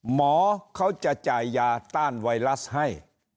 หมอเขาจะจ่ายยาต้านไวรัสให้